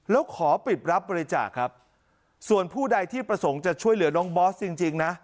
แล้วขอปิดรับบริจาคครับส่วนผู้ใดที่ประสงค์จะช่วยเหลือน้องบอสจริงนะ